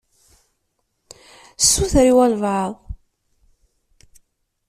Suter i walebɛaḍ.